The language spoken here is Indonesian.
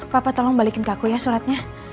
papa tolong balikin ke aku ya suratnya